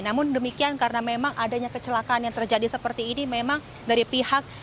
namun demikian karena memang adanya kecelakaan yang terjadi seperti ini memang dari pihak